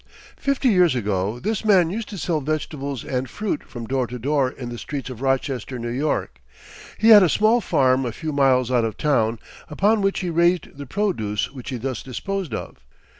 Fifty years ago, this man used to sell vegetables and fruit from door to door in the streets of Rochester, N. Y. He had a small farm a few miles out of town, upon which he raised the produce which he thus disposed of.